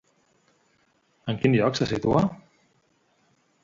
En quin lloc es situa?